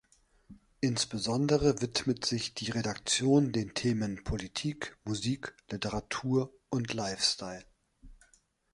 Insbesondere widmet sich die Redaktion den Themen Politik, Musik, Literatur und Lifestyle.